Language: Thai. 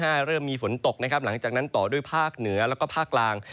เริ่มมีฝนตกนะครับหลังจากนั้นต่อด้วยภาคเหนือแล้วก็ภาคกลาง